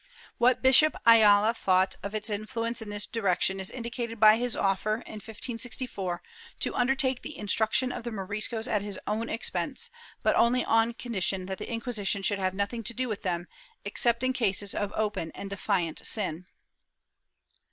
What Archbishop Ayala thought of its influence in this direction is indicated by his offer, in 1564, to undertake the instruction of the Moriscos at his own expense, but only on condition that the Inquisition should have nothing to do with them, except in cases of open and defiant sin.